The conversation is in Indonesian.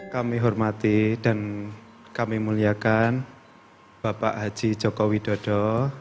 kami hormati dan kami muliakan bapak haji joko widodo